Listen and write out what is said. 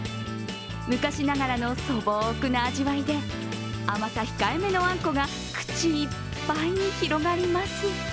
昔ながらの素朴な味わいで甘さ控えめのあんこが口いっぱいに広がります。